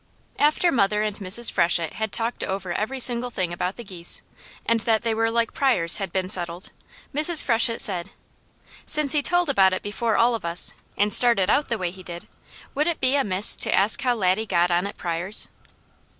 After mother and Mrs. Freshett had talked over every single thing about the geese, and that they were like Pryors' had been settled, Mrs. Freshett said: "Since he told about it before all of us, and started out the way he did, would it be amiss to ask how Laddie got on at Pryors'?"